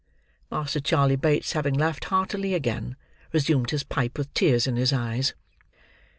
Master Charley Bates, having laughed heartily again, resumed his pipe with tears in his eyes.